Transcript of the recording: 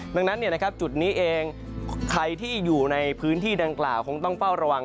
ดังนั้นจุดนี้เองใครที่อยู่ในพื้นที่ดังกล่าวคงต้องเฝ้าระวัง